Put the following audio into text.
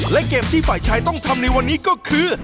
และเกมที่ฝ่ายชายต้องทำในวันนี้ก็คือ